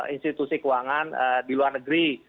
institusi keuangan di luar negeri